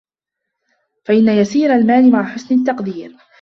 فَإِنَّ يَسِيرَ الْمَالِ مَعَ حُسْنِ التَّقْدِيرِ